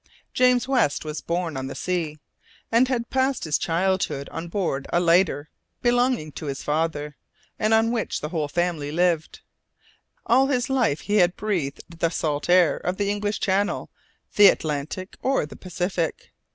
James West was born on the sea, and had passed his childhood on board a lighter belonging to his father, and on which the whole family lived. All his life he had breathed the salt air of the English Channel, the Atlantic, or the Pacific.